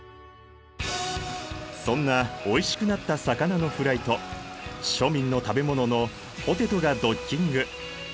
そんなおいしくなった魚のフライと庶民の食べ物のポテトがドッキング！